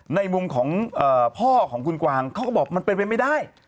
ในมุมของพ่อของคุณกวางเขาก็บอกมันเป็นไปไม่ได้